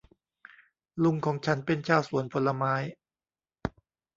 ลุงของฉันเป็นชาวสวนผลไม้